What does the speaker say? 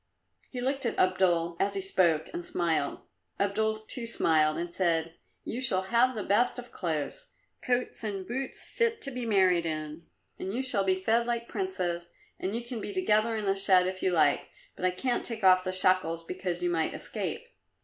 He looked at Abdul as he spoke and smiled. Abdul too smiled and said, "You shall have the best of clothes coats and boots fit to be married in, and you shall be fed like princes, and you can be together in the shed if you like, but I can't take off the shackles because you might escape.